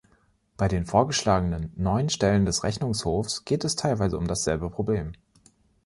Bei den vorgeschlagenen, neuen Stellen des Rechnungshofs geht es teilweise um dasselbe Problem.